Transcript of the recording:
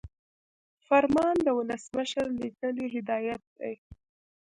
فرمان د ولسمشر لیکلی هدایت دی.